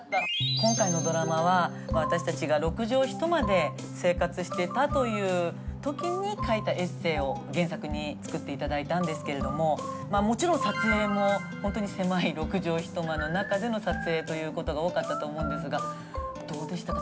今回のドラマは私たちが６畳一間で生活していたという時に書いたエッセイを原作に作って頂いたんですけれどももちろん撮影も本当に狭い６畳一間の中での撮影ということが多かったと思うんですがどうでしたか？